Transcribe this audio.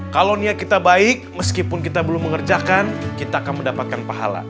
kalau niat kita baik meskipun kita belum mengerjakan kita akan mendapatkan pahala